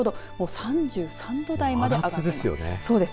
３３度台まで上がっています。